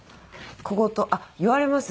小言言われますね。